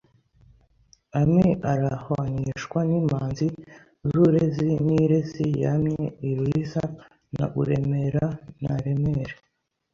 Ami arahwanishwa n’imanzi z’uurezi n’iirezi yamye i uriza na uremera n’aremere